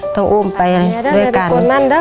ต้องอุ้มไปด้วยกัน